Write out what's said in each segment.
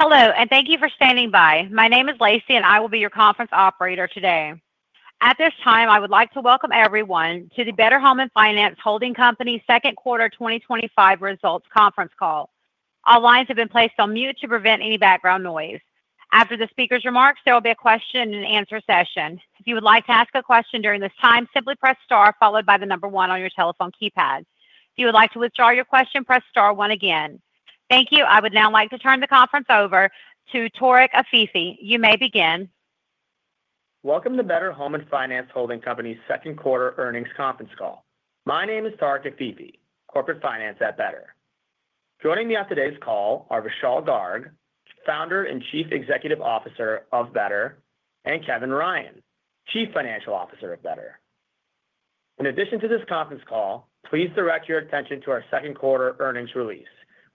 Hello, and thank you for standing by. My name is Lacey, and I will be your conference operator today. At this time, I would like to welcome everyone to the Better Home & Finance Holding Company's Second Quarter 2025 results conference call. All lines have been placed on mute to prevent any background noise. After the speaker's remarks, there will be a question and answer session. If you would like to ask a question during this time, simply press star followed by the number one on your telephone keypad. If you would like to withdraw your question, press star one again. Thank you. I would now like to turn the conference over to Tarek Afifi. You may begin. Welcome to Better Home & Finance Holding Company's Second Quarter Earnings Conference Call. My name is Tarek Afifi, Corporate Finance at Better. Joining me on today's call are Vishal Garg, Founder and Chief Executive Officer of Better, and Kevin Ryan, Chief Financial Officer of Better. In addition to this conference call, please direct your attention to our second quarter earnings release,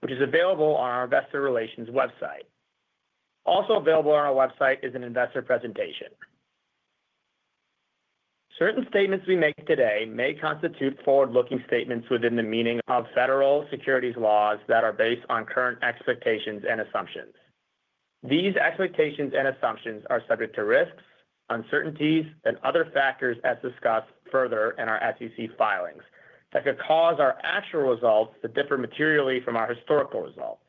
which is available on our investor relations website. Also available on our website is an investor presentation. Certain statements we make today may constitute forward-looking statements within the meaning of federal securities laws that are based on current expectations and assumptions. These expectations and assumptions are subject to risks, uncertainties, and other factors as discussed further in our SEC filings that could cause our actual results to differ materially from our historical results.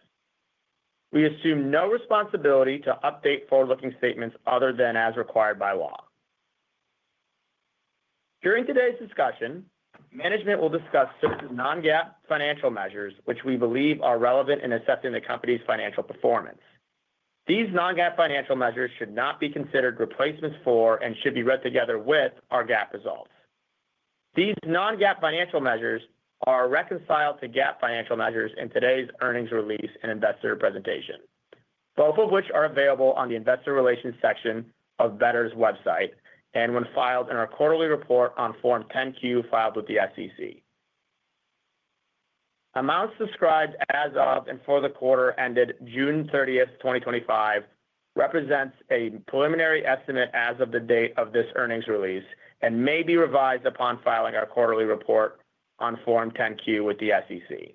We assume no responsibility to update forward-looking statements other than as required by law. During today's discussion, management will discuss six non-GAAP financial measures, which we believe are relevant in assessing the company's financial performance. These non-GAAP financial measures should not be considered replacements for and should be read together with our GAAP results. These non-GAAP financial measures are reconciled to GAAP financial measures in today's earnings release and investor presentation, both of which are available on the investor relations section of Better's website and when filed in our quarterly report on Form 10-Q filed with the SEC. Amounts described as of and for the quarter ended June 30th, 2025, represent a preliminary estimate as of the date of this earnings release and may be revised upon filing our quarterly report on Form 10-Q with the SEC.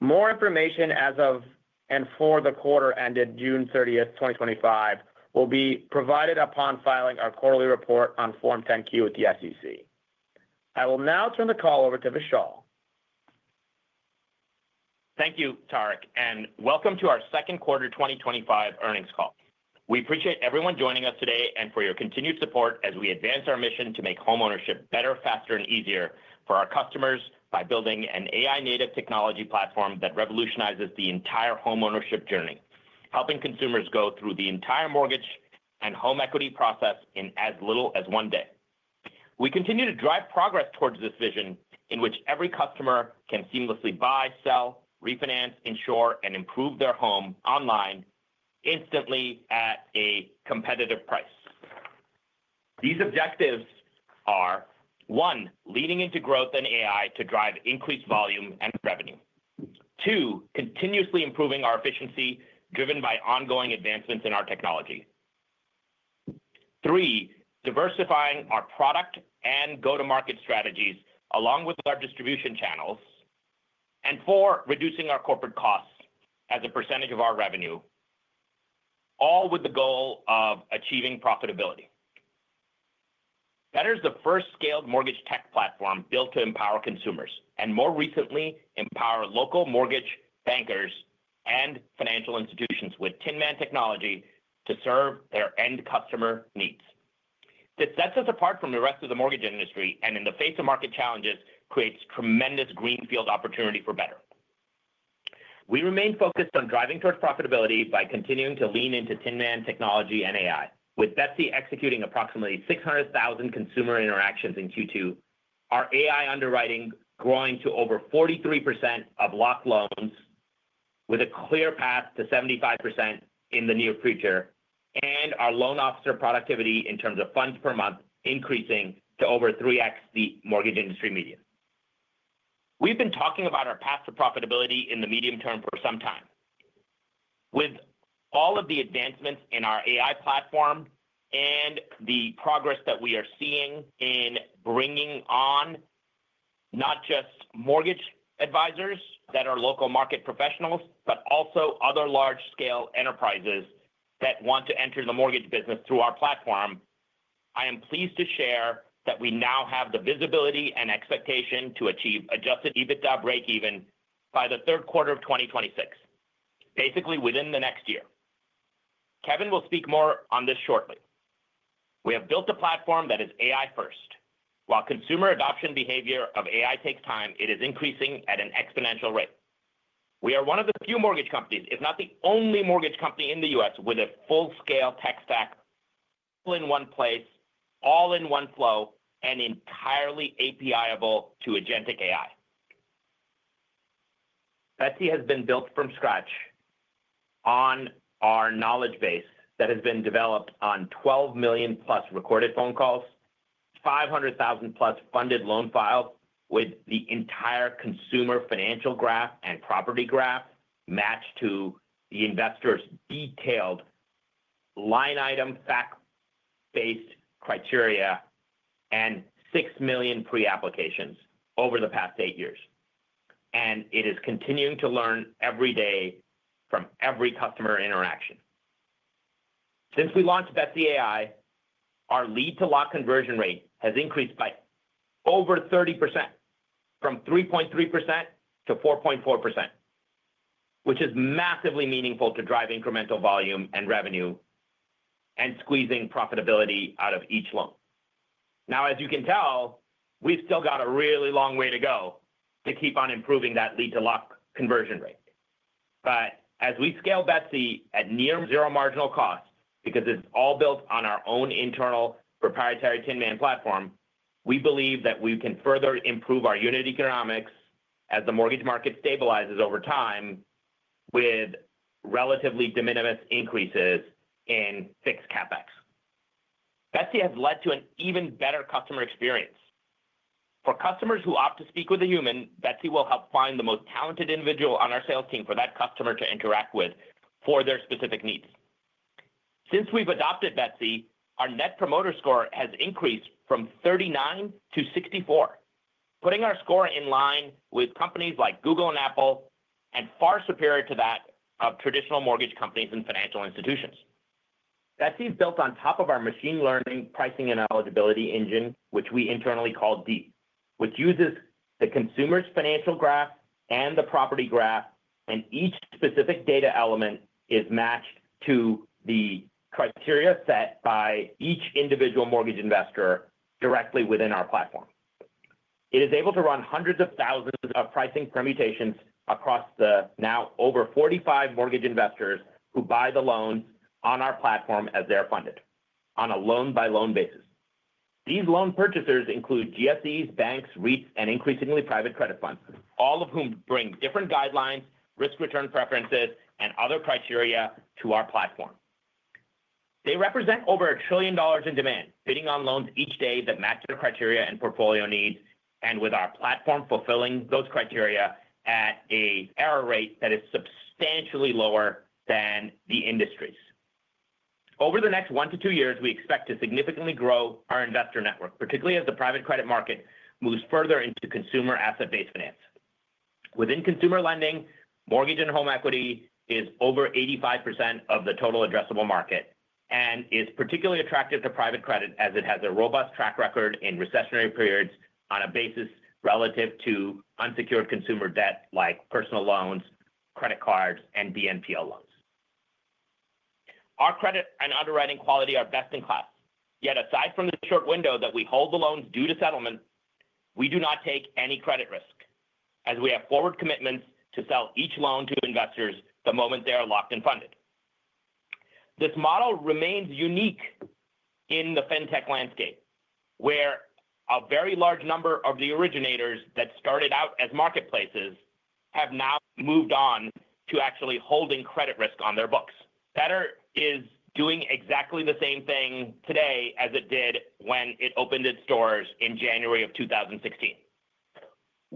More information as of and for the quarter ended June 30th, 2025, will be provided upon filing our quarterly report on Form 10-Q with the SEC. I will now turn the call over to Vishal. Thank you, Tarek, and welcome to our second quarter 2025 earnings call. We appreciate everyone joining us today and for your continued support as we advance our mission to make homeownership better, faster, and easier for our customers by building an AI-native technology platform that revolutionizes the entire homeownership journey, helping consumers go through the entire mortgage and home equity process in as little as one day. We continue to drive progress towards this vision in which every customer can seamlessly buy, sell, refinance, insure, and improve their home online instantly at a competitive price. These objectives are: one, leaning into growth and AI to drive increased volume and revenue; two, continuously improving our efficiency driven by ongoing advancements in our technology; three, diversifying our product and go-to-market strategies along with our distribution channels; and four, reducing our corporate costs as a percentage of our revenue, all with the goal of achieving profitability. Better is the first scaled mortgage tech platform built to empower consumers and more recently empower local mortgage bankers and financial institutions with Tinman AI technology to serve their end customer needs. It sets us apart from the rest of the mortgage industry and, in the face of market challenges, creates tremendous greenfield opportunity for Better. We remain focused on driving towards profitability by continuing to lean into Tinman AI technology and AI, with Betsy AI executing approximately 600,000 consumer interactions in Q2, our AI underwriting growing to over 43% of locked loans with a clear path to 75% in the near future, and our loan officer productivity in terms of funds per month increasing to over 3X the mortgage industry median. We've been talking about our path to profitability in the medium term for some time. With all of the advancements in our AI platform and the progress that we are seeing in bringing on not just mortgage advisors that are local market professionals, but also other large-scale enterprises that want to enter the mortgage business through our platform, I am pleased to share that we now have the visibility and expectation to achieve adjusted EBITDA breakeven by the third quarter of 2026, basically within the next year. Kevin will speak more on this shortly. We have built a platform that is AI-first. While consumer adoption behavior of AI takes time, it is increasing at an exponential rate. We are one of the few mortgage companies, if not the only mortgage company in the U.S., with a full-scale tech stack, all in one place, all in one flow, and entirely API-able to agentic AI. Betsy AI has been built from scratch on our knowledge base that has been developed on 12 million+ recorded phone calls, 500,000+ funded loan files with the entire consumer financial graph and property graph matched to the investors' detailed line item fact-based criteria, and 6 million pre-applications over the past eight years. It is continuing to learn every day from every customer interaction. Since we launched Betsy AI, our lead-to-lock conversion rate has increased by over 30%, from 3.3% - 4.4%, which is massively meaningful to drive incremental volume and revenue and squeezing profitability out of each loan. As you can tell, we've still got a really long way to go to keep on improving that lead-to-lock conversion rate. As we scale Betsy AI at near zero marginal cost, because it's all built on our own internal proprietary Tinman AI platform, we believe that we can further improve our unit economics as the mortgage market stabilizes over time with relatively de minimis increases in fixed CapEx. Betsy AI has led to an even better customer experience. For customers who opt to speak with a human, Betsy AI will help find the most talented individual on our sales team for that customer to interact with for their specific needs. Since we've adopted Betsy AI, our net promoter score has increased from 39 to 64, putting our score in line with companies like Google and Apple and far superior to that of traditional mortgage companies and financial institutions. Betsy AI is built on top of our machine learning pricing and eligibility engine, which we internally call DEEP, which uses the consumer's financial graph and the property graph, and each specific data element is matched to the criteria set by each individual mortgage investor directly within our platform. It is able to run hundreds of thousands of pricing permutations across the now over 45 mortgage investors who buy the loans on our platform as they're funded on a loan-by-loan basis. These loan purchasers include GSEs, banks, REITs, and increasingly private credit funds, all of whom bring different guidelines, risk return preferences, and other criteria to our platform. They represent over a trillion dollars in demand, bidding on loans each day that match their criteria and portfolio needs, and with our platform fulfilling those criteria at an error rate that is substantially lower than the industry's. Over the next one to two years, we expect to significantly grow our investor network, particularly as the private credit market moves further into consumer asset-based finance. Within consumer lending, mortgage and home equity is over 85% of the total addressable market and is particularly attractive to private credit as it has a robust track record in recessionary periods on a basis relative to unsecured consumer debt like personal loans, credit cards, and BNPL loans. Our credit and underwriting quality are best in class. Yet, aside from the short window that we hold the loans due to settlement, we do not take any credit risk as we have forward commitments to sell each loan to investors the moment they are locked and funded. This model remains unique in the fintech landscape where a very large number of the originators that started out as marketplaces have now moved on to actually holding credit risk on their books. Better is doing exactly the same thing today as it did when it opened its doors in January of 2016.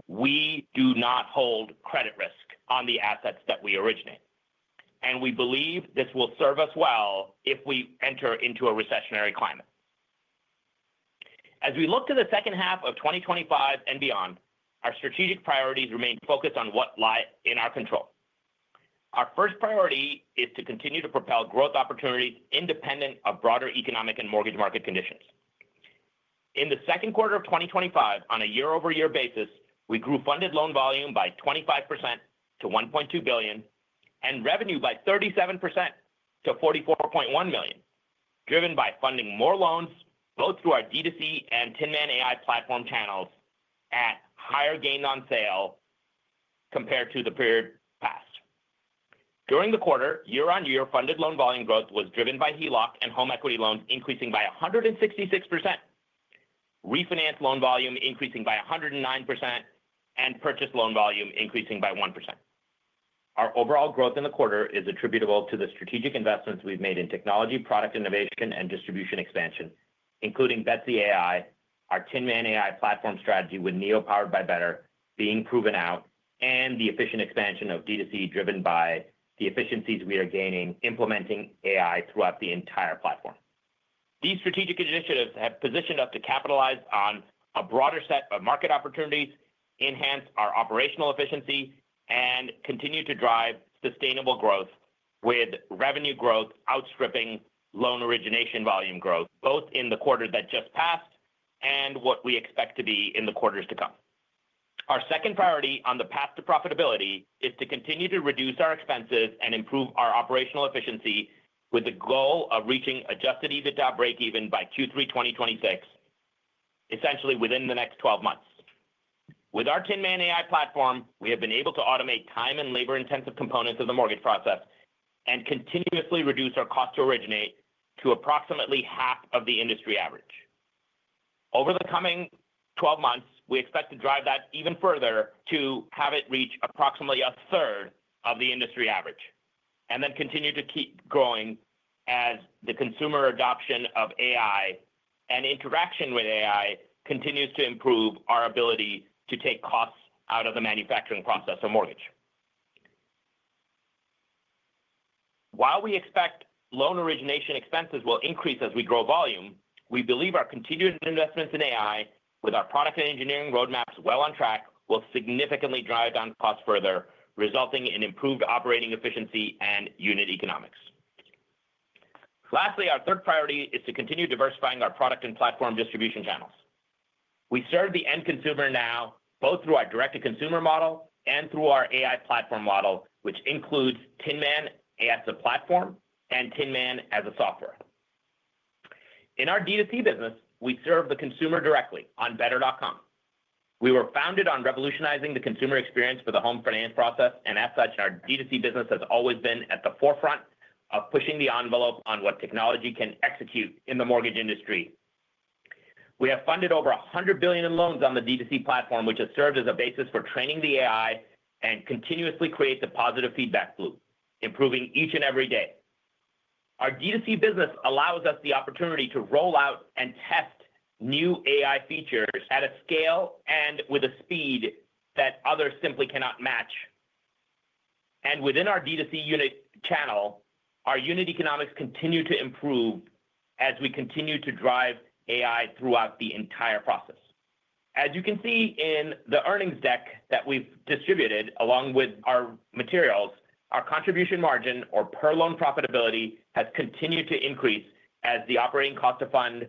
We do not hold credit risk on the assets that we originate, and we believe this will serve us well if we enter into a recessionary climate. As we look to the second half of 2025 and beyond, our strategic priorities remain focused on what lies in our control. Our first priority is to continue to propel growth opportunities independent of broader economic and mortgage market conditions. In the second quarter of 2025, on a year-over-year basis, we grew funded loan volume by 25% to $1.2 billion and revenue by 37% to $44.1 million, driven by funding more loans both through our D2C and Tinman AI platform channels at higher gains on sale compared to the period past. During the quarter, year-on-year funded loan volume growth was driven by HELOC and home equity loans increasing by 166%, refinance loan volume increasing by 109%, and purchase loan volume increasing by 1%. Our overall growth in the quarter is attributable to the strategic investments we've made in technology, product innovation, and distribution expansion, including Betsy AI, our Tinman AI platform strategy with NEO powered by Better being proven out, and the efficient expansion of D2C driven by the efficiencies we are gaining implementing AI throughout the entire platform. These strategic initiatives have positioned us to capitalize on a broader set of market opportunities, enhance our operational efficiency, and continue to drive sustainable growth with revenue growth outstripping loan origination volume growth both in the quarter that just passed and what we expect to be in the quarters to come. Our second priority on the path to profitability is to continue to reduce our expenses and improve our operational efficiency with the goal of reaching adjusted EBITDA breakeven by Q3 2026, essentially within the next 12 months. With our Tinman AI platform, we have been able to automate time and labor-intensive components of the mortgage process and continuously reduce our cost to originate to approximately half of the industry average. Over the coming 12 months, we expect to drive that even further to have it reach approximately a third of the industry average and then continue to keep growing as the consumer adoption of AI and interaction with AI continues to improve our ability to take costs out of the manufacturing process or mortgage. While we expect loan origination expenses will increase as we grow volume, we believe our continued investments in AI, with our product and engineering roadmaps well on track, will significantly drive down costs further, resulting in improved operating efficiency and unit economics. Lastly, our third priority is to continue diversifying our product and platform distribution channels. We serve the end consumer now both through our direct-to-consumer model and through our AI platform model, which includes Tinman as a platform and Tinman as a software. In our D2C business, we serve the consumer directly on better.com. We were founded on revolutionizing the consumer experience for the home finance process, and as such, our D2C business has always been at the forefront of pushing the envelope on what technology can execute in the mortgage industry. We have funded over $100 billion in loans on the D2C platform, which has served as a basis for training the AI and continuously creates a positive feedback loop, improving each and every day. Our D2C business allows us the opportunity to roll out and test new AI features at a scale and with a speed that others simply cannot match. Within our D2C unit channel, our unit economics continue to improve as we continue to drive AI throughout the entire process. As you can see in the earnings deck that we've distributed along with our materials, our contribution margin or per loan profitability has continued to increase as the operating cost to fund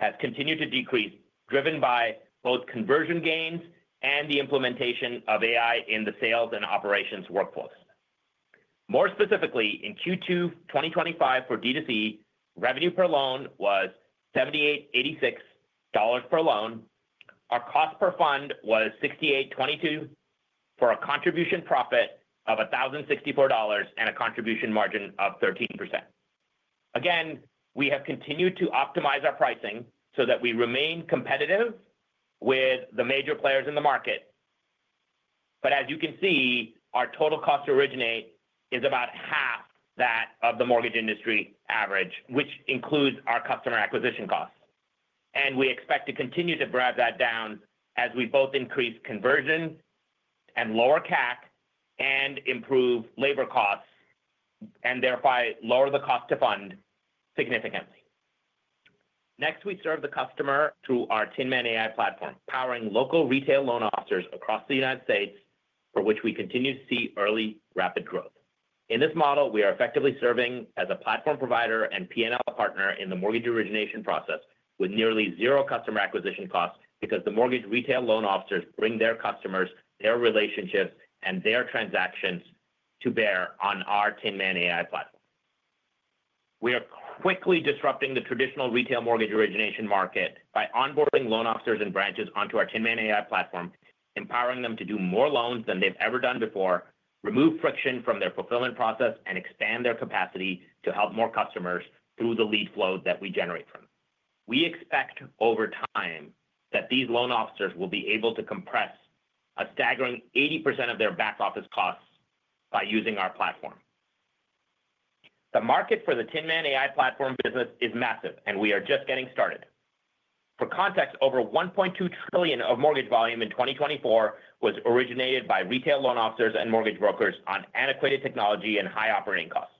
has continued to decrease, driven by both conversion gains and the implementation of AI in the sales and operations workflows. More specifically, in Q2 2025 for D2C, revenue per loan was $78.86 per loan. Our cost per fund was $68.22 for a contribution profit of $1,064 and a contribution margin of 13%. We have continued to optimize our pricing so that we remain competitive with the major players in the market. As you can see, our total cost to originate is about half that of the mortgage industry average, which includes our customer acquisition costs. We expect to continue to drive that down as we both increase conversion and lower CAC and improve labor costs and therefore lower the cost to fund significantly. Next, we serve the customer through our Tinman AI platform, powering local retail loan officers across the U.S., for which we continue to see early rapid growth. In this model, we are effectively serving as a platform provider and P&L partner in the mortgage origination process with nearly zero customer acquisition costs because the mortgage retail loan officers bring their customers, their relationships, and their transactions to bear on our Tinman AI platform. We are quickly disrupting the traditional retail mortgage origination market by onboarding loan officers and branches onto our Tinman AI platform, empowering them to do more loans than they've ever done before, remove friction from their fulfillment process, and expand their capacity to help more customers through the lead flow that we generate from them. We expect over time that these loan officers will be able to compress a staggering 80% of their back office costs by using our platform. The market for the Tinman AI platform business is massive, and we are just getting started. For context, over $1.2 trillion of mortgage volume in 2024 was originated by retail loan officers and mortgage brokers on antiquated technology and high operating costs.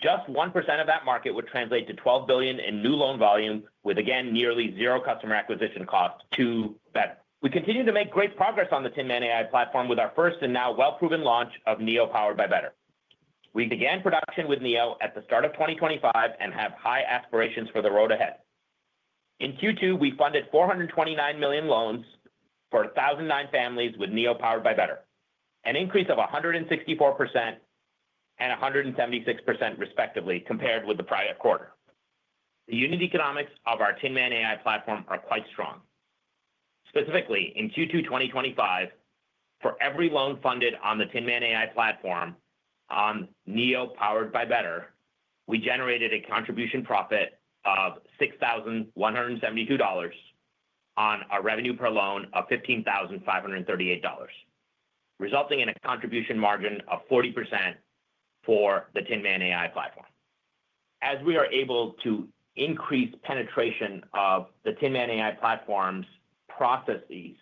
Just 1% of that market would translate to $12 billion in new loan volume with, again, nearly zero customer acquisition costs to Better. We continue to make great progress on the Tinman AI platform with our first and now well-proven launch of NEO powered by Better. We began production with NEO at the start of 2025 and have high aspirations for the road ahead. In Q2, we funded $429 million loans for 1,009 families with NEO powered by Better, an increase of 164% and 176% respectively compared with the prior quarter. The unit economics of our Tinman AI platform are quite strong. Specifically, in Q2 2025, for every loan funded on the Tinman AI platform on NEO powered by Better, we generated a contribution profit of $6,172 on a revenue per loan of $15,538, resulting in a contribution margin of 40% for the Tinman AI platform. As we are able to increase penetration of the Tinman AI platform's processes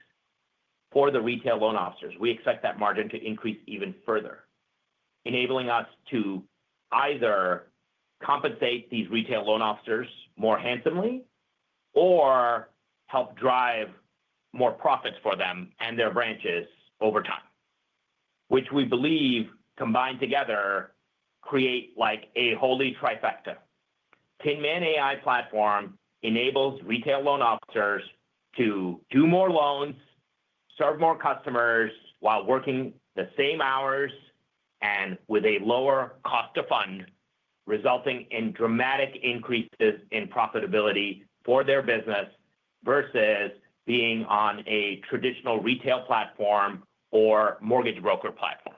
for the retail loan officers, we expect that margin to increase even further, enabling us to either compensate these retail loan officers more handsomely or help drive more profits for them and their branches over time, which we believe combined together create like a holy trifecta. Tinman AI platform enables retail loan officers to do more loans, serve more customers while working the same hours and with a lower cost to fund, resulting in dramatic increases in profitability for their business versus being on a traditional retail platform or mortgage broker platform.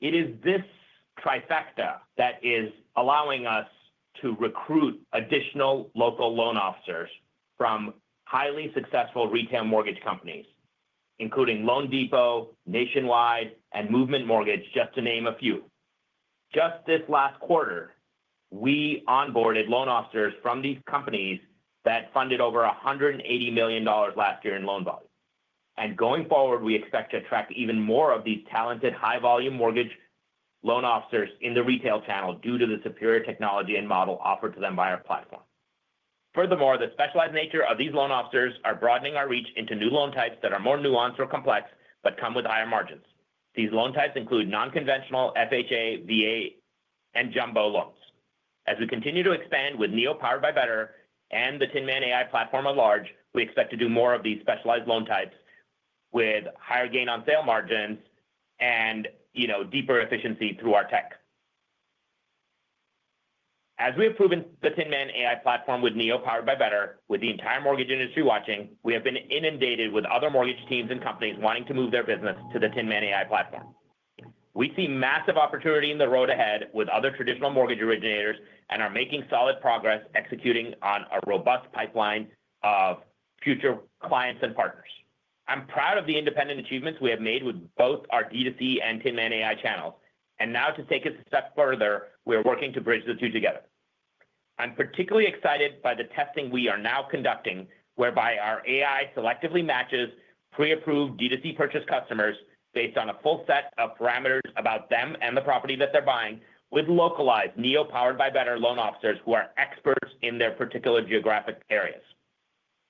It is this trifecta that is allowing us to recruit additional local loan officers from highly successful retail mortgage companies, including loanDepot, Nationwide, and Movement Mortgage, just to name a few. Just this last quarter, we onboarded loan officers from these companies that funded over $180 million last year in loan volume. Going forward, we expect to attract even more of these talented, high-volume mortgage loan officers in the retail channel due to the superior technology and model offered to them by our platform. Furthermore, the specialized nature of these loan officers is broadening our reach into new loan types that are more nuanced or complex but come with higher margins. These loan types include non-conventional FHA, VA, and jumbo loans. As we continue to expand with NEO powered by Better and the Tinman AI platform at large, we expect to do more of these specialized loan types with higher gain on sale margins and deeper efficiency through our tech. As we have proven the Tinman AI platform with NEO powered by Better, with the entire mortgage industry watching, we have been inundated with other mortgage teams and companies wanting to move their business to the Tinman AI platform. We see massive opportunity in the road ahead with other traditional mortgage originators and are making solid progress executing on a robust pipeline of future clients and partners. I'm proud of the independent achievements we have made with both our D2C and Tinman AI channels. Now, to take us a step further, we are working to bridge the two together. I'm particularly excited by the testing we are now conducting, whereby our AI selectively matches pre-approved D2C purchase customers based on a full set of parameters about them and the property that they're buying with localized NEO powered by Better loan officers who are experts in their particular geographic areas.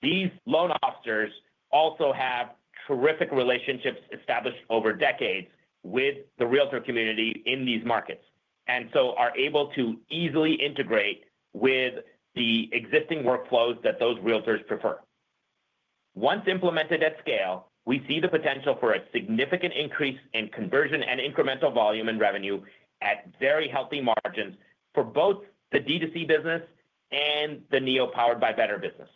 These loan officers also have terrific relationships established over decades with the realtor community in these markets and are able to easily integrate with the existing workflows that those realtors prefer. Once implemented at scale, we see the potential for a significant increase in conversion and incremental volume and revenue at very healthy margins for both the D2C business and the NEO powered by Better business.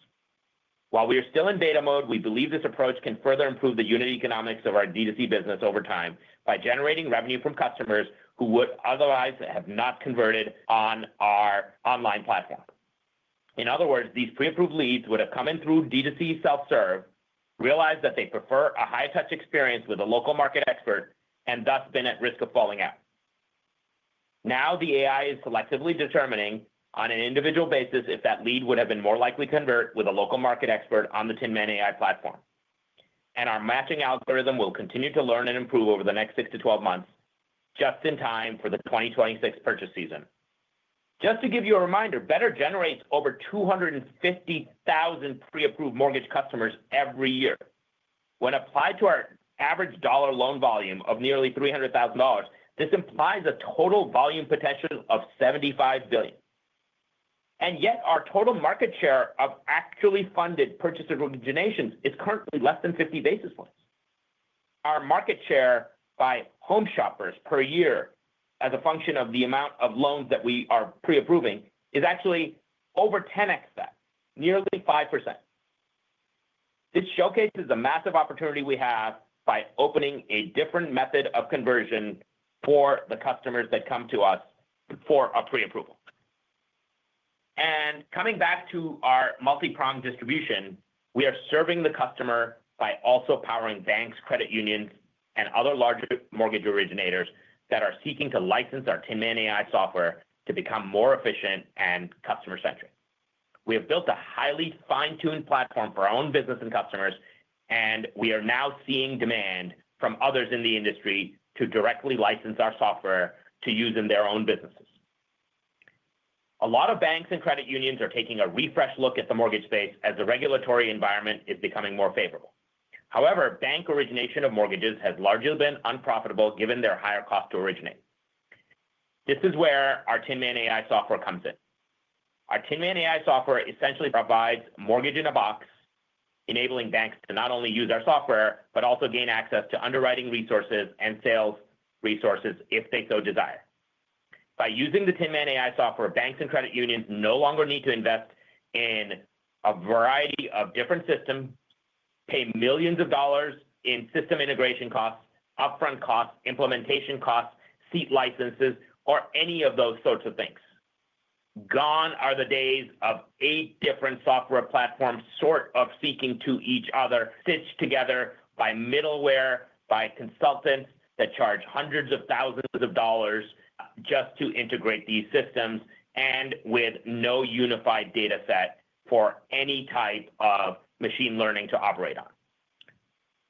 While we are still in beta mode, we believe this approach can further improve the unit economics of our D2C business over time by generating revenue from customers who would otherwise have not converted on our online platform. In other words, these pre-approved leads would have come in through D2C self-serve, realized that they prefer a high-touch experience with a local market expert, and thus been at risk of falling out. Now, the AI is collectively determining on an individual basis if that lead would have been more likely to convert with a local market expert on the Tinman AI platform. Our matching algorithm will continue to learn and improve over the next 6 to 12 months, just in time for the 2026 purchase season. Just to give you a reminder, Better generates over 250,000 pre-approved mortgage customers every year. When applied to our average dollar loan volume of nearly $300,000, this implies a total volume potential of $75 billion. Yet, our total market share of actually funded purchase originations is currently less than 50 basis points. Our market share by home shoppers per year, as a function of the amount of loans that we are pre-approving, is actually over 10x that, nearly 5%. This showcases the massive opportunity we have by opening a different method of conversion for the customers that come to us for a pre-approval. Coming back to our multi-prong distribution, we are serving the customer by also powering banks, credit unions, and other larger mortgage originators that are seeking to license our Tinman AI software to become more efficient and customer-centric. We have built a highly fine-tuned platform for our own business and customers, and we are now seeing demand from others in the industry to directly license our software to use in their own businesses. A lot of banks and credit unions are taking a refreshed look at the mortgage space as the regulatory environment is becoming more favorable. However, bank origination of mortgages has largely been unprofitable given their higher cost to originate. This is where our Tinman AI software comes in. Our Tinman AI software essentially provides mortgage in a box, enabling banks to not only use our software but also gain access to underwriting resources and sales resources if they so desire. By using the Tinman AI software, banks and credit unions no longer need to invest in a variety of different systems, pay millions of dollars in system integration costs, upfront costs, implementation costs, seat licenses, or any of those sorts of things. Gone are the days of eight different software platforms sort of stitched together by middleware, by consultants that charge hundreds of thousands of dollars just to integrate these systems and with no unified data set for any type of machine learning to operate on.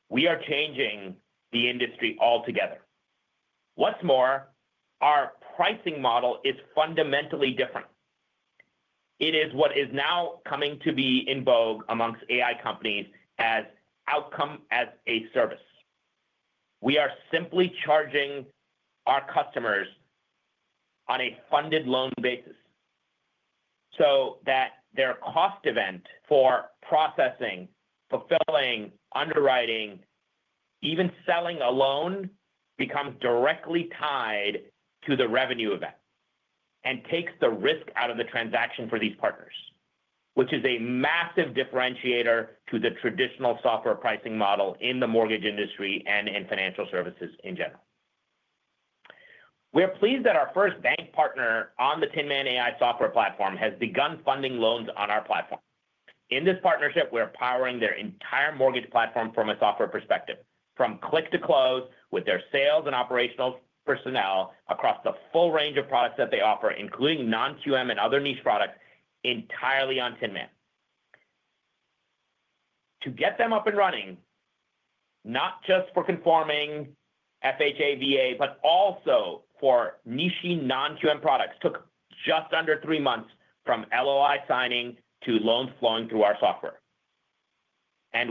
We are changing the industry altogether. What's more, our pricing model is fundamentally different. It is what is now coming to be in vogue amongst AI companies as outcome as a service. We are simply charging our customers on a funded loan basis so that their cost event for processing, fulfilling, underwriting, even selling a loan becomes directly tied to the revenue event and takes the risk out of the transaction for these partners, which is a massive differentiator to the traditional software pricing model in the mortgage industry and in financial services in general. We are pleased that our first bank partner on the Tinman AI software platform has begun funding loans on our platform. In this partnership, we are powering their entire mortgage platform from a software perspective, from click to close with their sales and operational personnel across the full range of products that they offer, including non-QM and other niche products entirely on Tinman. To get them up and running, not just for conforming FHA, VA, but also for niche non-QM products, took just under three months from LOI signing to loans flowing through our software.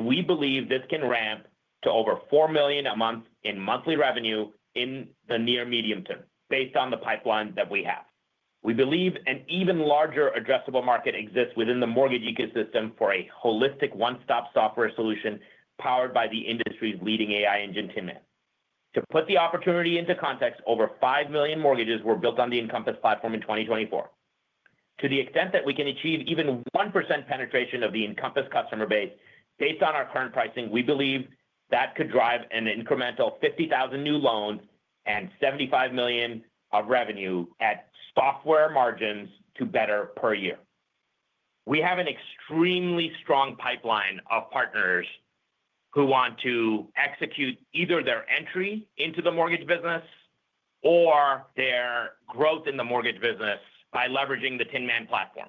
We believe this can ramp to over $4 million a month in monthly revenue in the near medium term based on the pipeline that we have. We believe an even larger addressable market exists within the mortgage ecosystem for a holistic one-stop software solution powered by the industry's leading AI engine, Tinman. To put the opportunity into context, over 5 million mortgages were built on the Encompass platform in 2024. To the extent that we can achieve even 1% penetration of the Encompass customer base, based on our current pricing, we believe that could drive an incremental 50,000 new loans and $75 million of revenue at software margins to Better per year. We have an extremely strong pipeline of partners who want to execute either their entry into the mortgage business or their growth in the mortgage business by leveraging the Tinman platform,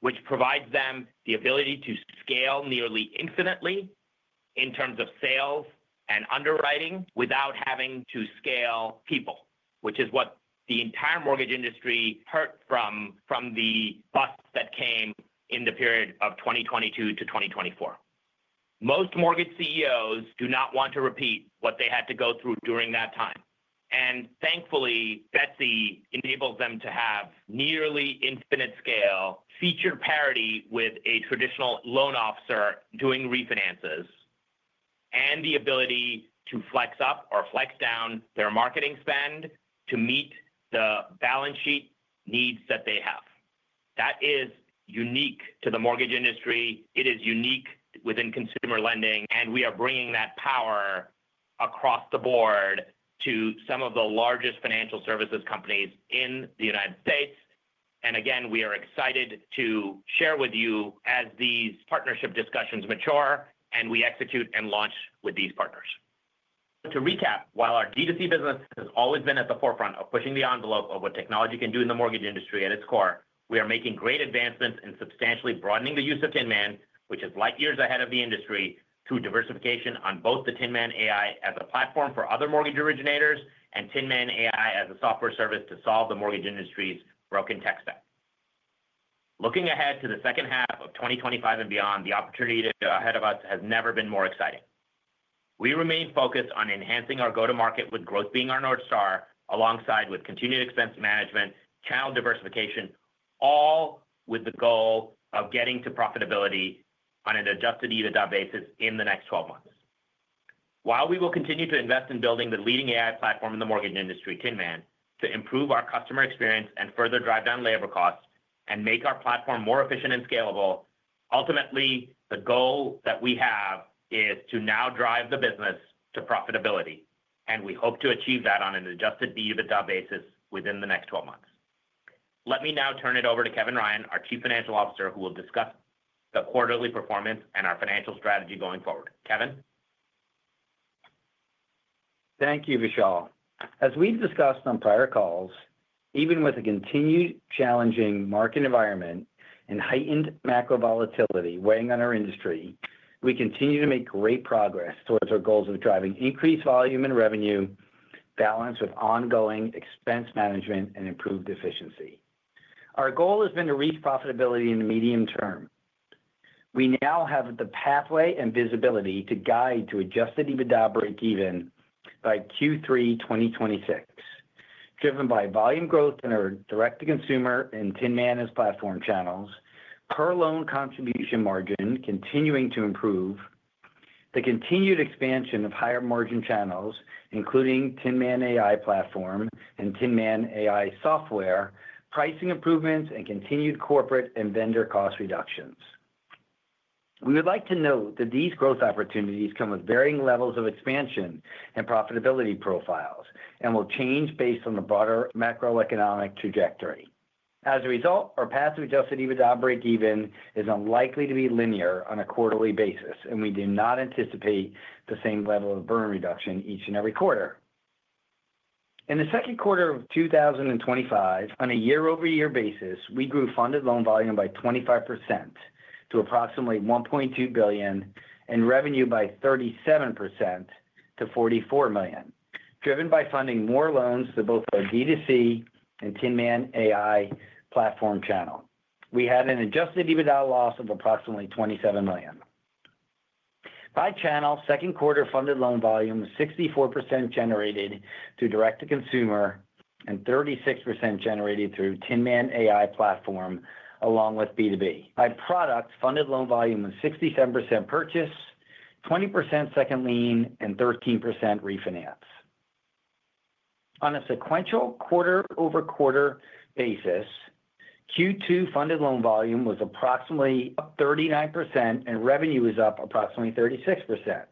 which provides them the ability to scale nearly infinitely in terms of sales and underwriting without having to scale people, which is what the entire mortgage industry hurt from the bust that came in the period of 2022 to 2024. Most mortgage CEOs do not want to repeat what they had to go through during that time. Thankfully, Betsy enables them to have nearly infinite scale, feature parity with a traditional loan officer doing refinances, and the ability to flex up or flex down their marketing spend to meet the balance sheet needs that they have. That is unique to the mortgage industry. It is unique within consumer lending, and we are bringing that power across the board to some of the largest financial services companies in the U.S. We are excited to share with you as these partnership discussions mature and we execute and launch with these partners. To recap, while our D2C business has always been at the forefront of pushing the envelope of what technology can do in the mortgage industry at its core, we are making great advancements in substantially broadening the use of Tinman, which is light years ahead of the industry through diversification on both the Tinman AI platform for other mortgage originators and Tinman AI software as a service to solve the mortgage industry's broken tech stack. Looking ahead to the second half of 2025 and beyond, the opportunity ahead of us has never been more exciting. We remain focused on enhancing our go-to-market with growth being our North Star, alongside continued expense management and channel diversification, all with the goal of getting to profitability on an adjusted EBITDA basis in the next 12 months. We will continue to invest in building the leading AI platform in the mortgage industry, Tinman, to improve our customer experience and further drive down labor costs and make our platform more efficient and scalable. Ultimately, the goal that we have is to now drive the business to profitability, and we hope to achieve that on an adjusted EBITDA basis within the next 12 months. Let me now turn it over to Kevin Ryan, our Chief Financial Officer, who will discuss the quarterly performance and our financial strategy going forward. Kevin. Thank you, Vishal. As we've discussed on prior calls, even with a continued challenging market environment and heightened macro volatility weighing on our industry, we continue to make great progress towards our goals of driving increased volume and revenue balanced with ongoing expense management and improved efficiency. Our goal has been to reach profitability in the medium term. We now have the pathway and visibility to guide to adjusted EBITDA breakeven by Q3 2026, driven by volume growth in our direct-to-consumer and Tinman platform channels, per loan contribution margin continuing to improve, the continued expansion of higher margin channels, including Tinman AI platform and Tinman AI software, pricing improvements, and continued corporate and vendor cost reductions. We would like to note that these growth opportunities come with varying levels of expansion and profitability profiles and will change based on the broader macroeconomic trajectory. As a result, our path to adjusted EBITDA breakeven is unlikely to be linear on a quarterly basis, and we do not anticipate the same level of burn reduction each and every quarter. In the second quarter of 2025, on a year-over-year basis, we grew funded loan volume by 25% to approximately $1.2 billion and revenue by 37% to $44 million, driven by funding more loans to both our D2C and Tinman AI platform channel. We had an adjusted EBITDA loss of approximately $27 million. By channel, second quarter funded loan volume was 64% generated through direct-to-consumer and 36% generated through Tinman AI platform along with B2B. By product, funded loan volume was 67% purchase, 20% second lien, and 13% refinance. On a sequential quarter-over-quarter basis, Q2 funded loan volume was up approximately 39% and revenue was up approximately 36%.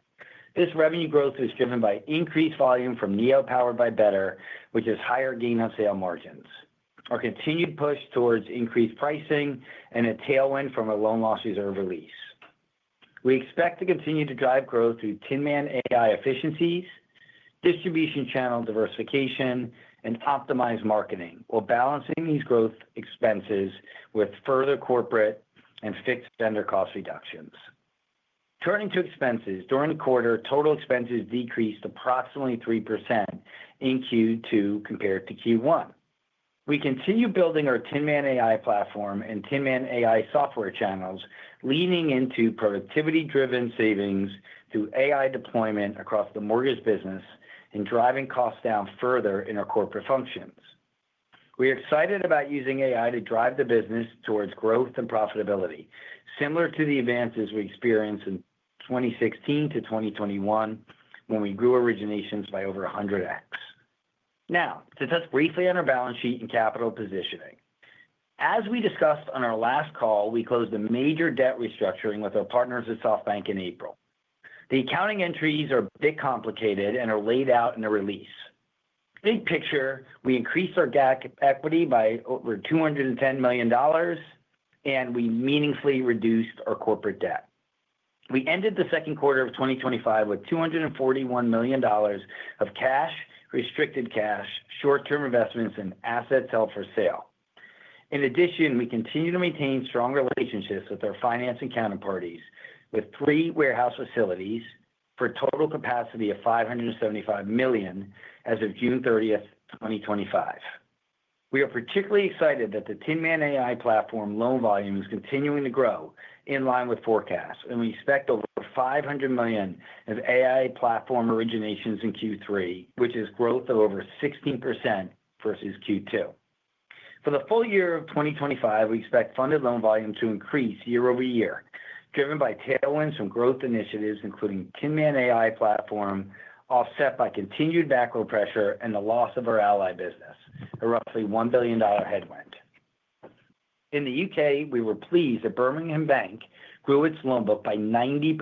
This revenue growth was driven by increased volume from NEO powered by Better, which has higher gain on sale margins, our continued push towards increased pricing, and a tailwind from a loan loss reserve release. We expect to continue to drive growth through Tinman AI efficiencies, distribution channel diversification, and optimized marketing while balancing these growth expenses with further corporate and fixed vendor cost reductions. Turning to expenses, during the quarter, total expenses decreased approximately 3% in Q2 compared to Q1. We continue building our Tinman AI platform and Tinman AI software channels, leaning into productivity-driven savings through AI deployment across the mortgage business and driving costs down further in our corporate functions. We are excited about using AI to drive the business towards growth and profitability, similar to the advances we experienced in 2016 to 2021 when we grew originations by over 100x. Now, to touch briefly on our balance sheet and capital positioning. As we discussed on our last call, we closed a major debt restructuring with our partners at SoftBank in April. The accounting entries are a bit complicated and are laid out in a release. Big picture, we increased our GAAP equity by over $210 million, and we meaningfully reduced our corporate debt. We ended the second quarter of 2025 with $241 million of cash, restricted cash, short-term investments, and assets held for sale. In addition, we continue to maintain strong relationships with our financing counterparties with three warehouse facilities for a total capacity of $575 million as of June 30th, 2025. We are particularly excited that the Tinman AI platform loan volume is continuing to grow in line with forecasts, and we expect over $500 million of AI platform originations in Q3, which is growth of over 16% versus Q2. For the full year of 2025, we expect funded loan volume to increase year over year, driven by tailwinds from growth initiatives including Tinman AI platform, offset by continued backlog pressure and the loss of our ally business, a roughly $1 billion headwind. In the U.K., we were pleased that Birmingham Bank grew its loan book by 90%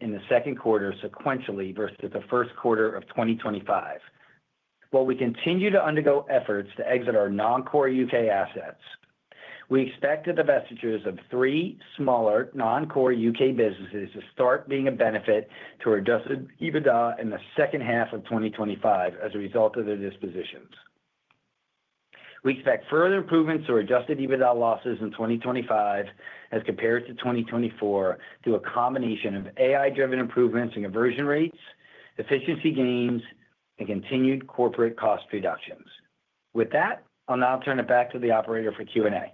in the second quarter sequentially versus the first quarter of 2025, while we continue to undergo efforts to exit our non-core U.K. assets. We expect that the vestiges of three smaller non-core U.K. businesses to start being a benefit to our adjusted EBITDA in the second half of 2025 as a result of their dispositions. We expect further improvements to our adjusted EBITDA losses in 2025 as compared to 2024 through a combination of AI-driven improvements in conversion rates, efficiency gains, and continued corporate cost reductions. With that, I'll now turn it back to the operator for Q&A.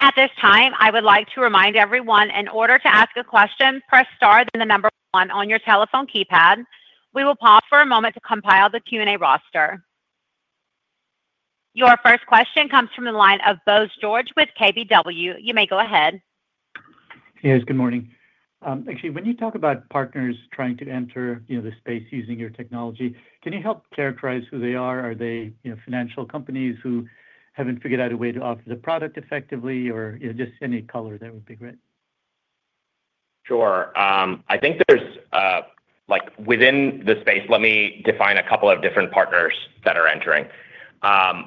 At this time, I would like to remind everyone, in order to ask a question, press star then the number one on your telephone keypad. We will pause for a moment to compile the Q&A roster. Your first question comes from the line of Bose George with KBW. You may go ahead. Yes, good morning. Actually, when you talk about partners trying to enter the space using your technology, can you help characterize who they are? Are they financial companies who haven't figured out a way to offer the product effectively, or just any color that would be great? Sure. I think within the space, let me define a couple of different partners that are entering.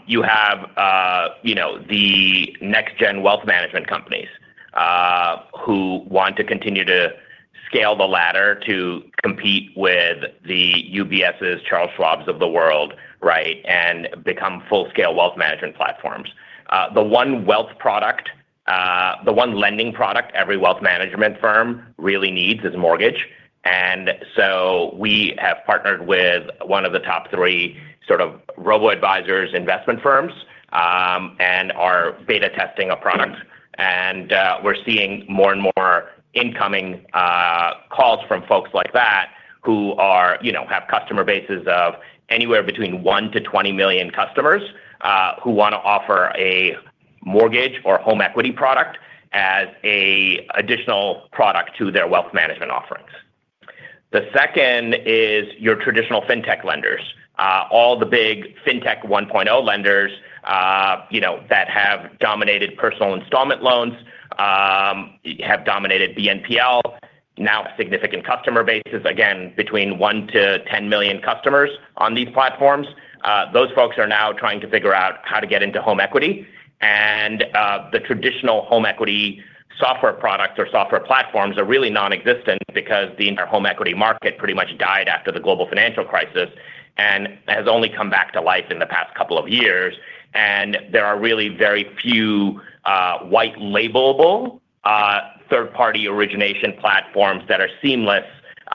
You have the next-gen wealth management companies who want to continue to scale the ladder to compete with the UBS's, Charles Schwab's of the world, right, and become full-scale wealth management platforms. The one wealth product, the one lending product every wealth management firm really needs is a mortgage. We have partnered with one of the top three sort of robo-advisors investment firms and are beta testing a product. We're seeing more and more incoming calls from folks like that who have customer bases of anywhere between 1 million - 20 million customers who want to offer a mortgage or home equity product as an additional product to their wealth management offerings. The second is your traditional fintech lenders. All the big fintech 1.0 lenders that have dominated personal installment loans, have dominated BNPL, now have significant customer bases, again, between 1 million - 10 million customers on these platforms. Those folks are now trying to figure out how to get into home equity. The traditional home equity software products or software platforms are really non-existent because the entire home equity market pretty much died after the global financial crisis and has only come back to life in the past couple of years. There are really very few white-labelable third-party origination platforms that are seamless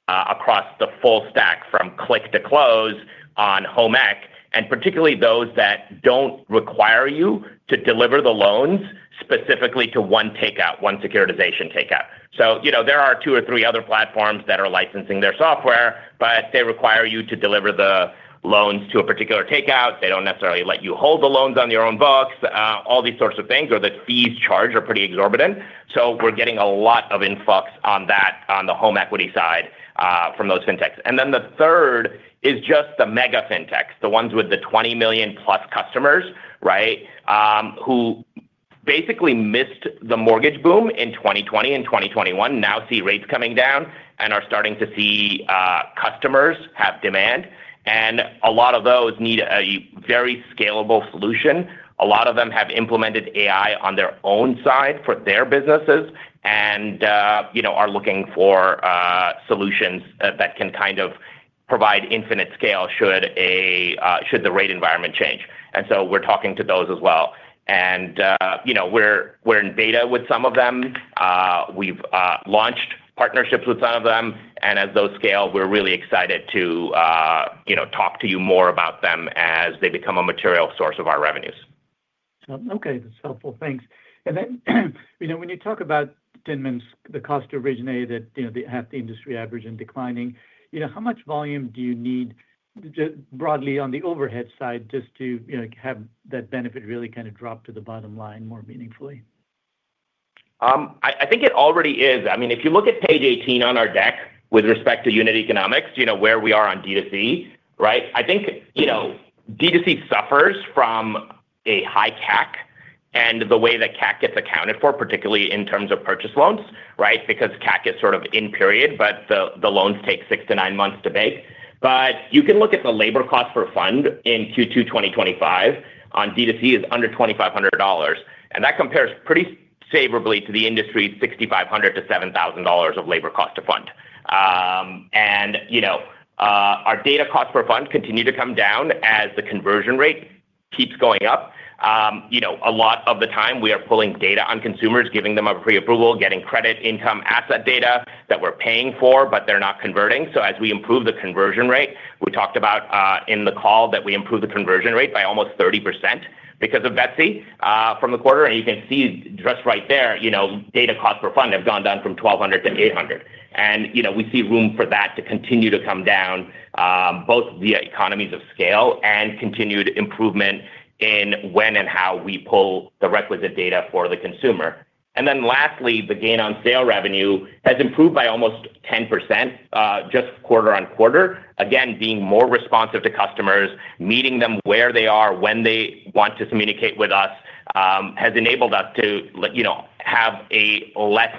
across the full stack from click to close on home equity, and particularly those that don't require you to deliver the loans specifically to one takeout, one securitization takeout. There are two or three other platforms that are licensing their software, but they require you to deliver the loans to a particular takeout. They don't necessarily let you hold the loans on your own books, all these sorts of things, or the fees charged are pretty exorbitant. We're getting a lot of influx on that on the home equity side from those Fintechs. The third is just the mega Fintechs, the ones with the 20 million+ customers, right, who basically missed the mortgage boom in 2020 and 2021, now see rates coming down and are starting to see customers have demand. A lot of those need a very scalable solution. A lot of them have implemented AI on their own side for their businesses and are looking for solutions that can kind of provide infinite scale should the rate environment change. We're talking to those as well. We're in beta with some of them. We've launched partnerships with some of them. As those scale, we're really excited to talk to you more about them as they become a material source of our revenues. OK, that's helpful. Thanks. When you talk about Tinman's cost to originate at half the industry average and declining, how much volume do you need broadly on the overhead side just to have that benefit really kind of drop to the bottom line more meaningfully? I think it already is. I mean, if you look at page 18 on our deck with respect to unit economics, where we are on D2C, right, I think D2C suffers from a high CAC and the way that CAC gets accounted for, particularly in terms of purchase loans, right, because CAC is sort of in period, but the loans take six to nine months to bake. You can look at the labor cost per fund in Q2 2025 on D2C is under $2,500. That compares pretty favorably to the industry's $6,500 - $7,000 of labor cost to fund. Our data cost per fund continues to come down as the conversion rate keeps going up. A lot of the time, we are pulling data on consumers, giving them a pre-approval, getting credit income asset data that we're paying for, but they're not converting. As we improve the conversion rate, we talked about in the call that we improved the conversion rate by almost 30% because of Betsy from the quarter. You can see just right there, data cost per fund have gone down from $1,200 to $800. We see room for that to continue to come down, both via economies of scale and continued improvement in when and how we pull the requisite data for the consumer. Lastly, the gain on sale revenue has improved by almost 10% just quarter on quarter. Being more responsive to customers, meeting them where they are, when they want to communicate with us, has enabled us to have less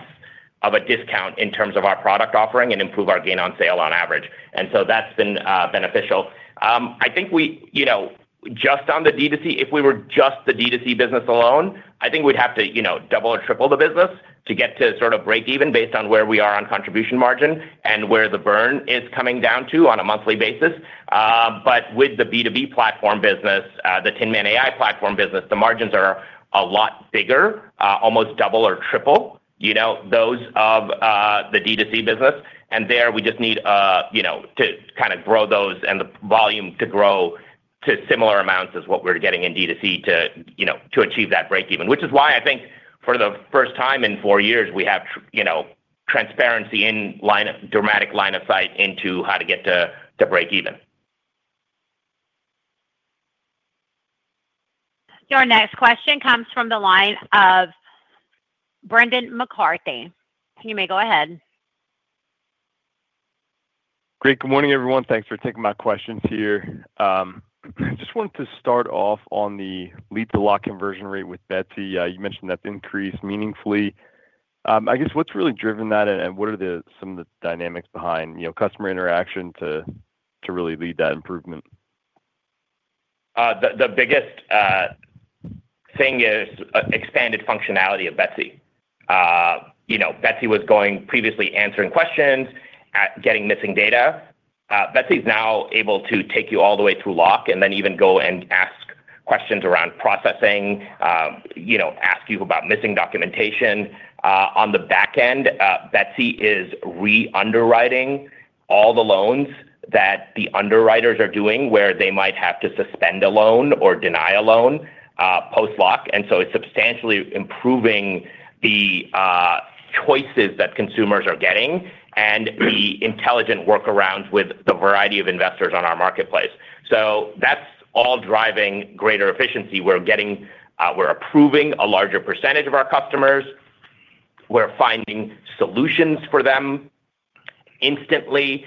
of a discount in terms of our product offering and improve our gain on sale on average. That has been beneficial. I think we, just on the D2C, if we were just the D2C business alone, I think we'd have to double or triple the business to get to sort of break even based on where we are on contribution margin and where the burn is coming down to on a monthly basis. With the B2B platform business, the Tinman AI platform business, the margins are a lot bigger, almost double or triple those of the D2C business. There we just need to kind of grow those and the volume to grow to similar amounts as what we're getting in D2C to achieve that break even, which is why I think for the first time in four years, we have transparency in dramatic line of sight into how to get to break even. Your next question comes from the line of Brendan McCarthy. You may go ahead. Great. Good morning, everyone. Thanks for taking my questions here. I just wanted to start off on the lead-to-lock conversion rate with Betsy AI. You mentioned that increased meaningfully. I guess what's really driven that and what are some of the dynamics behind customer interaction to really lead that improvement? The biggest thing is expanded functionality of Betsy. Betsy was going previously answering questions, getting missing data. Betsy is now able to take you all the way through lock and then even go and ask questions around processing, ask you about missing documentation. On the back end, Betsy is re-underwriting all the loans that the underwriters are doing where they might have to suspend a loan or deny a loan post-lock. It is substantially improving the choices that consumers are getting and the intelligent workarounds with the variety of investors on our marketplace. That is all driving greater efficiency. We are approving a larger percentage of our customers. We are finding solutions for them instantly.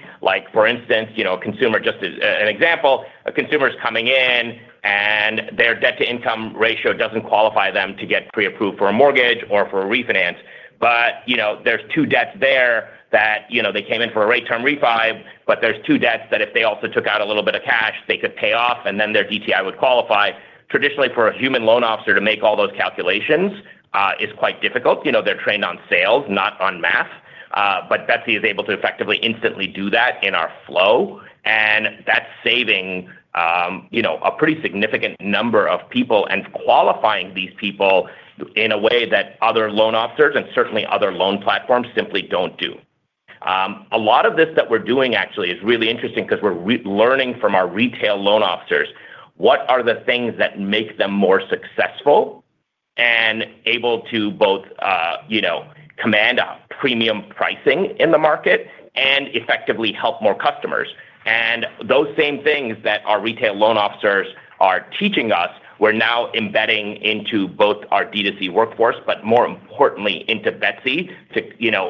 For instance, a consumer, just as an example, a consumer is coming in and their debt-to-income ratio does not qualify them to get pre-approved for a mortgage or for a refinance. There are two debts there that they came in for a rate term refi, but there are two debts that if they also took out a little bit of cash, they could pay off and then their DTI would qualify. Traditionally, for a human loan officer to make all those calculations is quite difficult. They are trained on sales, not on math. Betsy is able to effectively instantly do that in our flow. That is saving a pretty significant number of people and qualifying these people in a way that other loan officers and certainly other loan platforms simply do not do. A lot of this that we are doing actually is really interesting because we are learning from our retail loan officers what are the things that make them more successful and able to both command premium pricing in the market and effectively help more customers. Those same things that our retail loan officers are teaching us, we are now embedding into both our D2C workforce, but more importantly, into Betsy to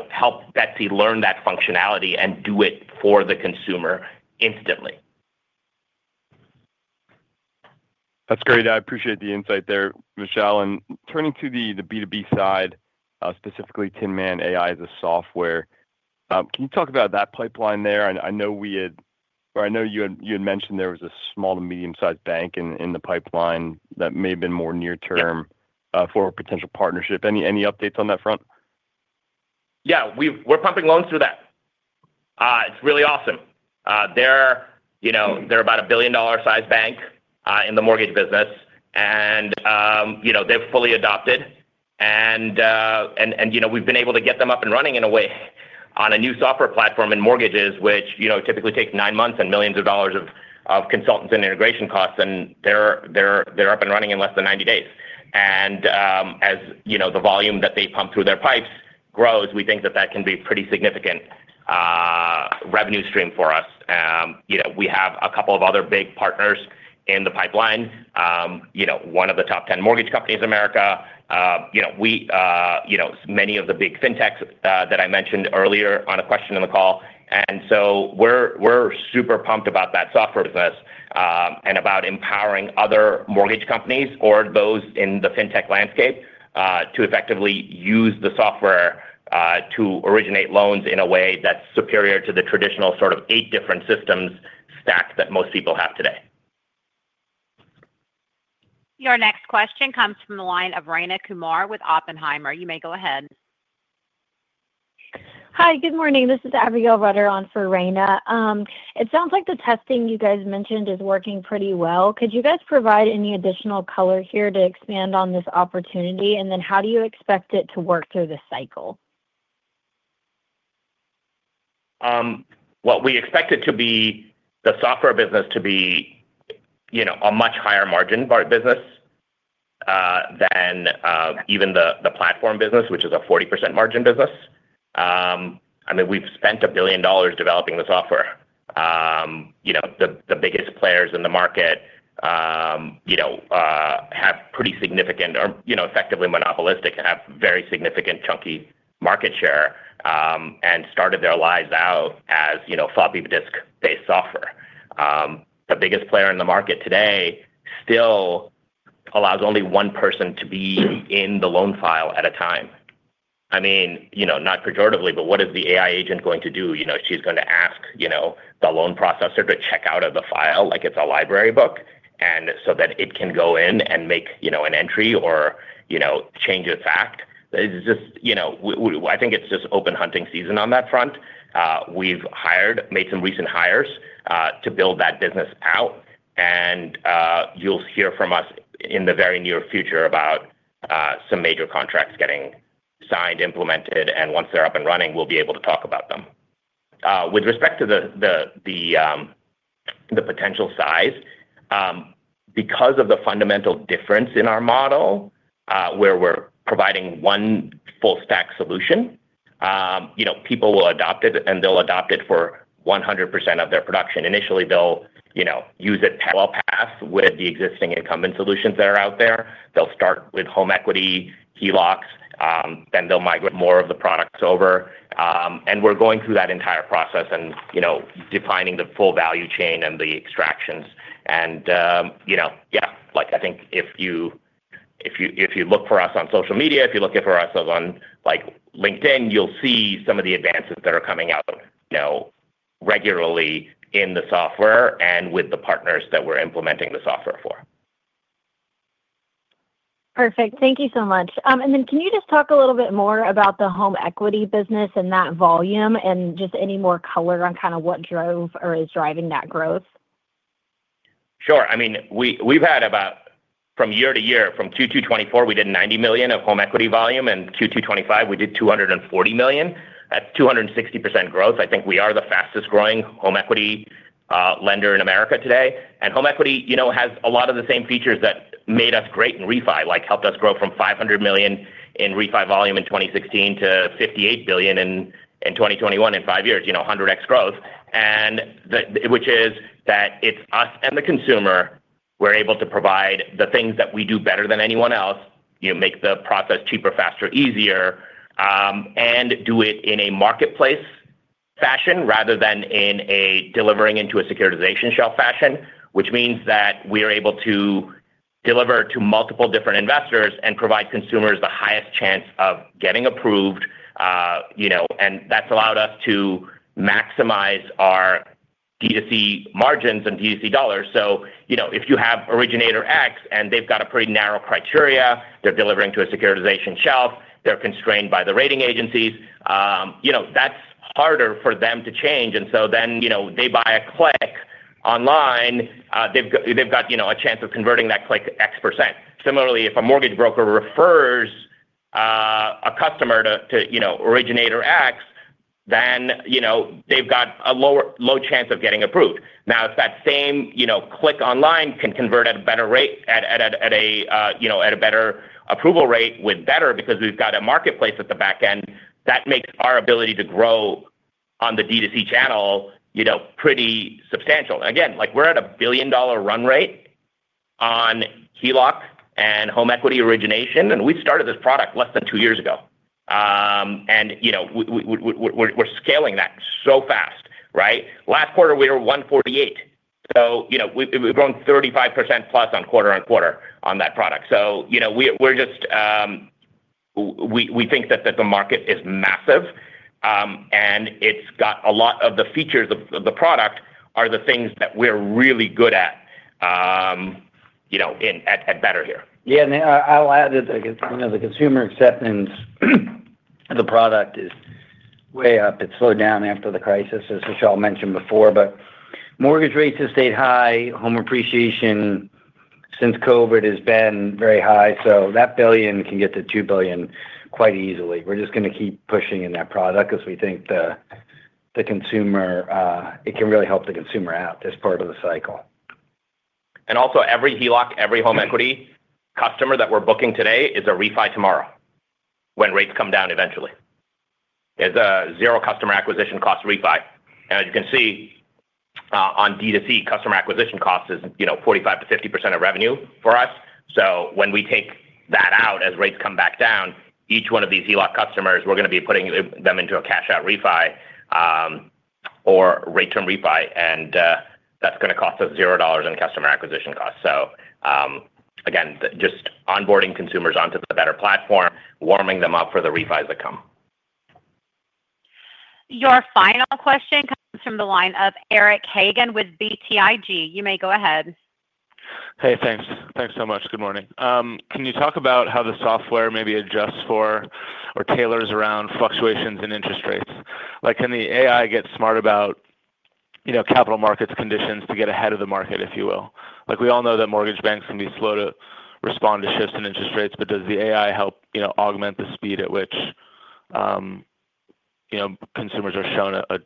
help Betsy learn that functionality and do it for the consumer instantly. That's great. I appreciate the insight there, Vishal. Turning to the B2B side, specifically Tinman AI software, can you talk about that pipeline there? I know you had mentioned there was a small to medium-sized bank in the pipeline that may have been more near-term for a potential partnership. Any updates on that front? Yeah, we're pumping loans through that. It's really awesome. They're about a $1 billion size bank in the mortgage business, and they've fully adopted. We've been able to get them up and running in a way on a new software platform in mortgages, which typically takes nine months and millions of dollars of consultants and integration costs, and they're up and running in less than 90 days. As the volume that they pump through their pipes grows, we think that can be a pretty significant revenue stream for us. We have a couple of other big partners in the pipeline, one of the top 10 mortgage companies in the U.S., many of the big Fintechs that I mentioned earlier on a question in the call. We're super pumped about that software business and about empowering other mortgage companies or those in the fintech landscape to effectively use the software to originate loans in a way that's superior to the traditional sort of eight different systems stack that most people have today. Your next question comes from the line of Rayna Kumar with Oppenheimer. You may go ahead. Hi, good morning. This is Abigail Rudder on for Reina. It sounds like the testing you guys mentioned is working pretty well. Could you guys provide any additional color here to expand on this opportunity? How do you expect it to work through the cycle? We expect it to be the software business to be a much higher margin business than even the platform business, which is a 40% margin business. I mean, we've spent $1 billion developing the software. The biggest players in the market have pretty significant or effectively monopolistic and have very significant chunky market share and started their lives out as floppy disk-based software. The biggest player in the market today still allows only one person to be in the loan file at a time. I mean, not pejoratively, but what is the AI agent going to do? She's going to ask the loan processor to check out of the file like it's a library book so that it can go in and make an entry or change a fact. I think it's just open hunting season on that front. We've made some recent hires to build that business out. You'll hear from us in the very near future about some major contracts getting signed, implemented, and once they're up and running, we'll be able to talk about them. With respect to the potential size, because of the fundamental difference in our model where we're providing one full stack solution, people will adopt it and they'll adopt it for 100% of their production. Initially, they'll use it well past with the existing incumbent solutions that are out there. They'll start with home equity, HELOCs, then they'll migrate more of the products over. We're going through that entire process and defining the full value chain and the extractions. If you look for us on social media, if you look for us on LinkedIn, you'll see some of the advances that are coming out regularly in the software and with the partners that we're implementing the software for. Perfect. Thank you so much. Can you just talk a little bit more about the home equity business and that volume, and just any more color on kind of what drove or is driving that growth? Sure. I mean, we've had about, from year to year, from Q2 2024, we did $90 million of home equity volume, and Q2 2025, we did $240 million at 260% growth. I think we are the fastest growing home equity lender in America today. Home equity has a lot of the same features that made us great in refi, like helped us grow from $500 million in refi volume in 2016 to $58 billion in 2021 in five years, you know, 100x growth, and which is that it's us and the consumer. We're able to provide the things that we do better than anyone else, make the process cheaper, faster, easier, and do it in a marketplace fashion rather than delivering into a securitization shelf fashion, which means that we are able to deliver to multiple different investors and provide consumers the highest chance of getting approved. That's allowed us to maximize our D2C margins and D2C dollars. If you have originator X and they've got a pretty narrow criteria, they're delivering to a securitization shelf, they're constrained by the rating agencies, that's harder for them to change. They buy a click online, they've got a chance of converting that click X%. Similarly, if a mortgage broker refers a customer to originator X, then they've got a low chance of getting approved. If that same click online can convert at a better rate, at a better approval rate with Better, because we've got a marketplace at the back end, that makes our ability to grow on the D2C channel pretty substantial. We're at a billion-dollar run rate on HELOC and home equity origination. We started this product less than two years ago. We're scaling that so fast, right? Last quarter, we were $148 million. We've grown 35%+ quarter on quarter on that product. We think that the market is massive and it's got a lot of the features of the product are the things that we're really good at at Better here. Yeah, and I'll add that the consumer acceptance of the product is way up. It slowed down after the crisis, as Vishal mentioned before. Mortgage rates have stayed high, home appreciation since COVID has been very high. That billion can get to $2 billion quite easily. We're just going to keep pushing in that product because we think the consumer, it can really help the consumer out as part of the cycle. Every HELOC, every home equity customer that we're booking today is a refi tomorrow when rates come down eventually. It's a zero customer acquisition cost refi. As you can see, on D2C, customer acquisition cost is 45% - 50% of revenue for us. When we take that out as rates come back down, each one of these HELOC customers, we're going to be putting them into a cash-out refi or rate term refi. That's going to cost us $0 in customer acquisition costs. Just onboarding consumers onto the Better platform, warming them up for the refis that come. Your final question comes from the line of Eric Hagen with BTIG. You may go ahead. Thanks so much. Good morning. Can you talk about how the software maybe adjusts for or tailors around fluctuations in interest rates? Like, can the AI get smart about capital markets conditions to get ahead of the market, if you will? We all know that mortgage banks can be slow to respond to shifts in interest rates, but does the AI help augment the speed at which consumers are shown a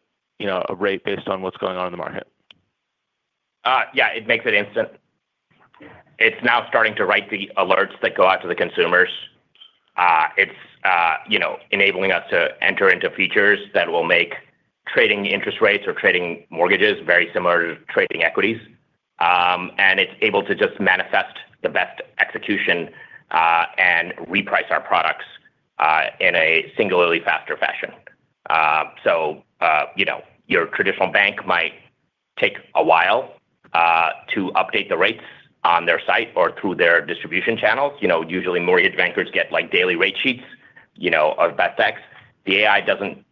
rate based on what's going on in the market? Yeah, it makes it instant. It's now starting to write the alerts that go out to the consumers. It's enabling us to enter into features that will make trading interest rates or trading mortgages very similar to trading equities. It's able to just manifest the best execution and reprice our products in a singularly faster fashion. Your traditional bank might take a while to update the rates on their site or through their distribution channels. Usually, mortgage bankers get daily rate sheets of BET techs. The AI doesn't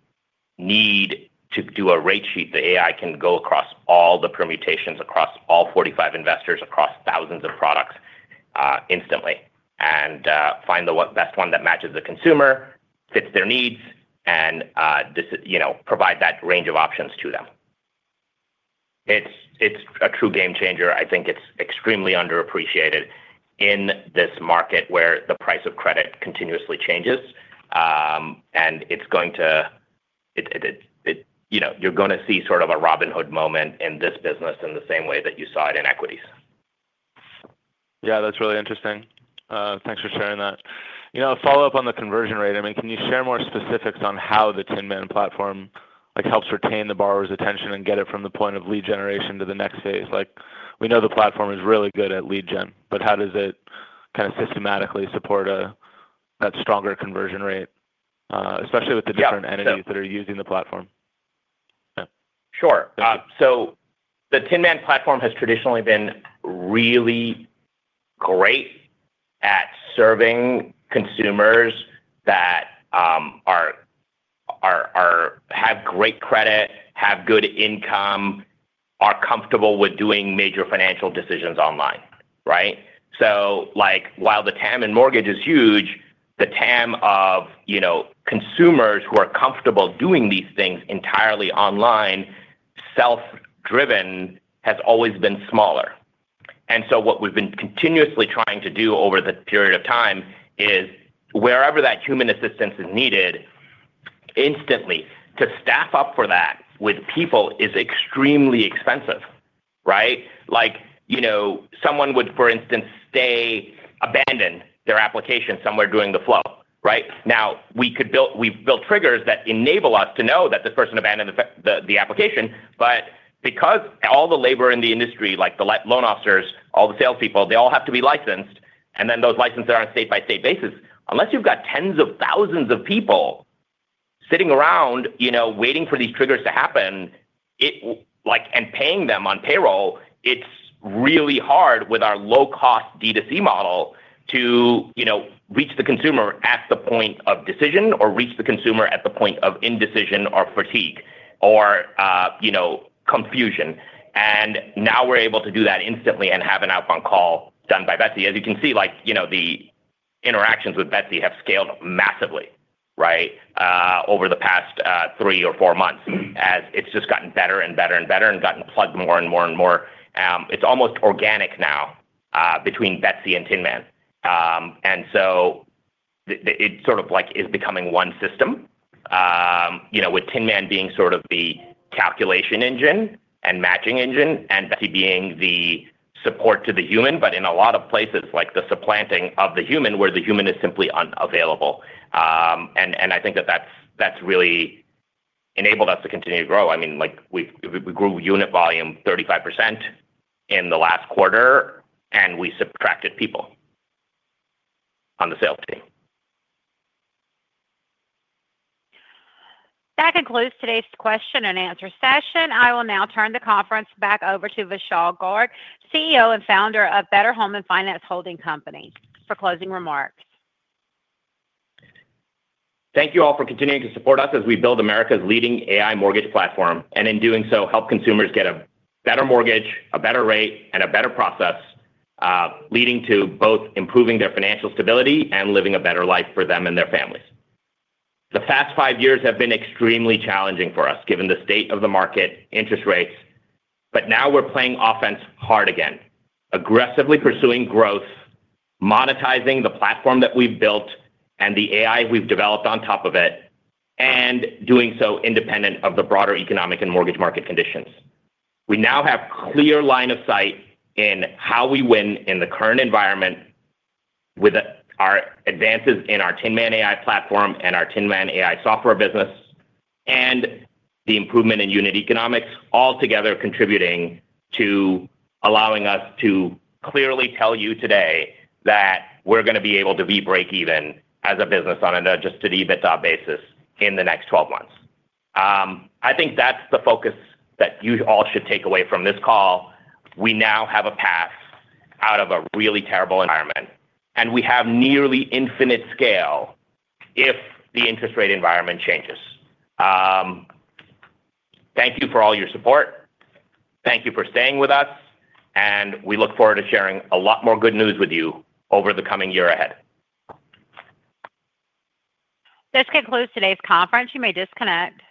need to do a rate sheet. The AI can go across all the permutations, across all 45 investors, across thousands of products instantly and find the best one that matches the consumer, fits their needs, and provide that range of options to them. It's a true game changer. I think it's extremely underappreciated in this market where the price of credit continuously changes. You're going to see sort of a Robin Hood moment in this business in the same way that you saw it in equities. Yeah, that's really interesting. Thanks for sharing that. You know, a follow-up on the conversion rate. I mean, can you share more specifics on how the Tinman AI platform helps retain the borrower's attention and get it from the point of lead generation to the next phase? Like, we know the platform is really good at lead gen, but how does it kind of systematically support that stronger conversion rate, especially with the different entities that are using the platform? Sure. The Tinman AI platform has traditionally been really great at serving consumers that have great credit, have good income, are comfortable with doing major financial decisions online, right? While the TAM in mortgage is huge, the TAM of consumers who are comfortable doing these things entirely online, self-driven, has always been smaller. What we've been continuously trying to do over the period of time is, wherever that human assistance is needed instantly, to staff up for that with people is extremely expensive, right? For instance, someone would, say, abandon their application somewhere during the flow, right? We've built triggers that enable us to know that this person abandoned the application. Because all the labor in the industry, like the loan officers, all the salespeople, they all have to be licensed, and then those licenses are on a state-by-state basis. Unless you've got tens of thousands of people sitting around waiting for these triggers to happen and paying them on payroll, it's really hard with our low-cost D2C model to reach the consumer at the point of decision or reach the consumer at the point of indecision or fatigue or confusion. Now we're able to do that instantly and have an outbound call done by Betsy AI. As you can see, the interactions with Betsy AI have scaled massively, right, over the past three or four months as it's just gotten better and better and better and gotten plugged more and more and more. It's almost organic now between Betsy AI and Tinman. It sort of is becoming one system, with Tinman being sort of the calculation engine and matching engine and Betsy AI being the support to the human, but in a lot of places, like the supplanting of the human where the human is simply unavailable. I think that that's really enabled us to continue to grow. I mean, we grew unit volume 35% in the last quarter and we subtracted people on the sales team. That concludes today's question and answer session. I will now turn the conference back over to Vishal Garg, CEO and founder of Better Home & Finance Holding Company, for closing remarks. Thank you all for continuing to support us as we build America's leading AI mortgage platform and in doing so, help consumers get a better mortgage, a better rate, and a better process, leading to both improving their financial stability and living a better life for them and their families. The past five years have been extremely challenging for us given the state of the market, interest rates. Now we're playing offense hard again, aggressively pursuing growth, monetizing the platform that we've built and the AI we've developed on top of it, and doing so independent of the broader economic and mortgage market conditions. We now have a clear line of sight in how we win in the current environment with our advances in our Tinman AI platform and our Tinman AI software business and the improvement in unit economics, all together contributing to allowing us to clearly tell you today that we're going to be able to be break even as a business on an adjusted EBITDA basis in the next 12 months. I think that's the focus that you all should take away from this call. We now have a path out of a really terrible environment. We have nearly infinite scale if the interest rate environment changes. Thank you for all your support. Thank you for staying with us. We look forward to sharing a lot more good news with you over the coming year ahead. This concludes today's conference. You may disconnect.